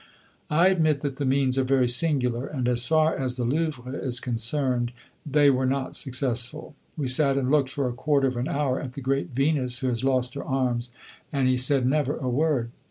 I admit that the means are very singular, and, as far as the Louvre is concerned, they were not successful. We sat and looked for a quarter of an hour at the great Venus who has lost her arms, and he said never a word.